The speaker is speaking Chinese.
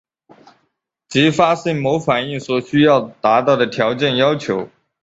即发生某反应所需要达到的条件要求。